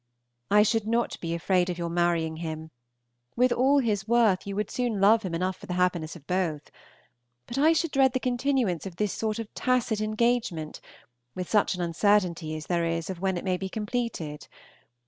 I should not be afraid of your marrying him; with all his worth you would soon love him enough for the happiness of both; but I should dread the continuance of this sort of tacit engagement, with such an uncertainty as there is of when it may be completed.